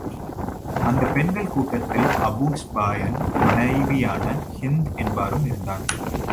அந்தப் பெண்கள் கூட்டத்தில் அபூ ஸுப்யான் மனைவியான ஹிந்த் என்பாரும் இருந்தார்.